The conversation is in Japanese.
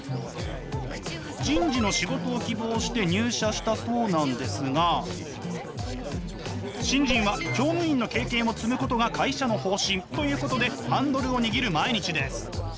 人事の仕事を希望して入社したそうなんですが新人は乗務員の経験を積むことが会社の方針ということでハンドルを握る毎日です。